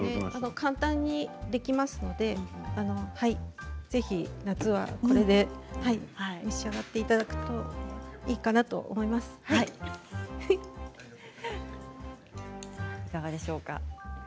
簡単にできますのでぜひ夏はこれで召し上がっていただくといいかなと思います。